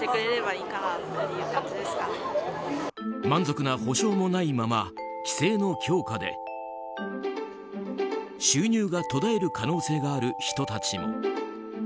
満足な補償もないまま規制の強化で収入が途絶える可能性がある人たちも。